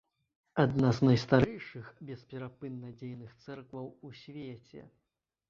Адна з найстарэйшых бесперапынна дзейных цэркваў у свеце.